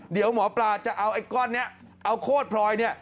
เดี๋ยวหมอปลาจะเอาไอ้ก้อนนี้เอาโคตรพลอยเนี่ย